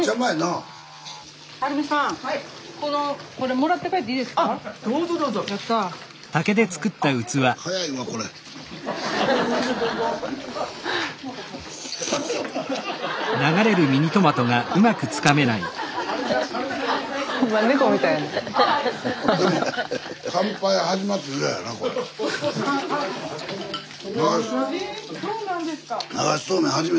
・あれそうなんですか？